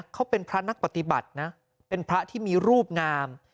เขาเป็นพระนักปฏิบัตินะเป็นพระที่มีรูปงาม